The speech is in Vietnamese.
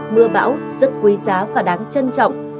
mưa bão rất quý giá và đáng trân trọng